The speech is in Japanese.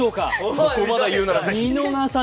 そこまで言うならぜひ。